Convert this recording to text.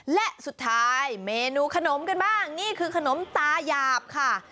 และสุดท้ายเมนูขนมกันบ้างนี่คือขนมตายาบค่ะ